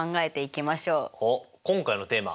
おっ今回のテーマ